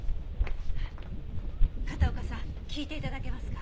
片岡さん聞いて頂けますか？